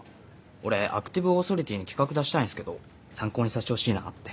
俺アクティブオーソリティーに企画出したいんすけど参考にさせてほしいなって。